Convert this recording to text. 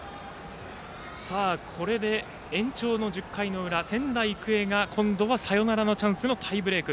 さあ、これで延長の１０回の裏仙台育英が今度はサヨナラのチャンスのタイブレーク。